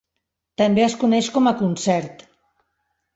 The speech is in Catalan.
També es coneix com a concert.